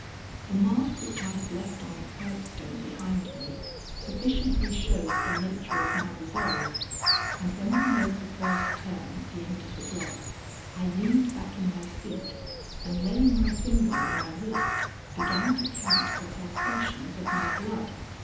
The mark which I had left on the curbstone behind me sufficiently showed the nature of my resolve, and when we made the first turn at the end of the block I leaned back in my seat and laying my finger on my wrist, began to count the pulsations of my blood.